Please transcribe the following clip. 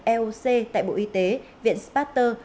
eoc tại bộ y tế viện spatter